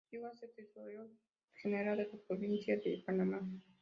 Llegó a ser Tesorero General de la Provincia de Panamá.